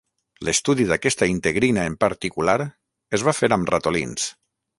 L'estudi d'aquesta integrina en particular es va fer amb ratolins.